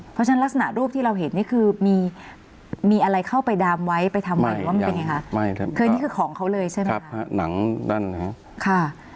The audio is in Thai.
เพราะฉะนั้นลักษณะรูปที่เราเห็นเนี่ยคือมีอะไรเข้าไปดามไว้ไปทำไว้หรือว่ามันเป็นไงค่ะ